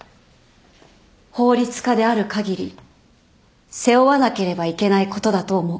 法律家である限り背負わなければいけないことだと思う。